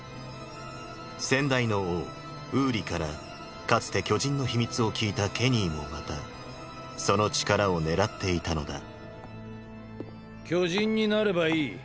先代の王ウーリからかつて巨人の秘密を聞いたケニーもまたその力を狙っていたのだ巨人になればいい。